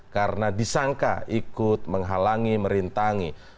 karena disangka ikut menghalangi merintangi